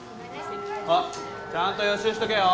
あちゃんと予習しとけよ。